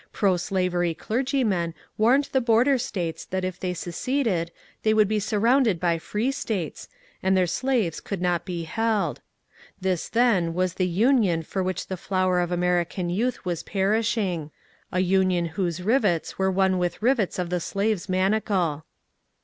Proslavery clergymen warned the border States that if they seceded they would be surrounded by free States, and their slaves could not be' held. This then was the Union for which the flower of American youth was perishing — a Union whose rivets were one with rivets of the slave's manacle.